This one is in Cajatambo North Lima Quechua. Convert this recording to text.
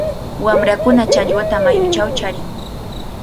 Wamrakuna challwata mayuchaw charin.